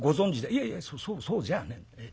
「いえいえそうじゃねえ。